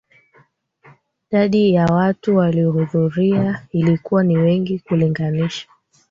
dadi ya watu waliohudhuria ilikuwa ni wengi ukilinganisha